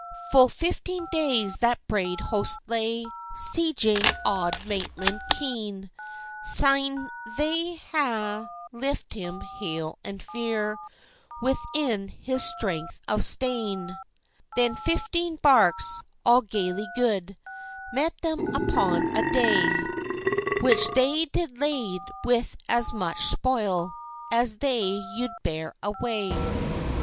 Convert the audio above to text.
Full fifteen days that braid host lay, Sieging Auld Maitland keen; Syne they ha'e left him, hail and feir, Within his strength of stane. Then fifteen barks, all gaily good, Met them upon a day, Which they did lade with as much spoil As they you'd bear away.